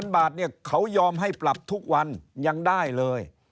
๕๐๐๐บาทเขายอมให้ปรับทุกวันยังได้เลย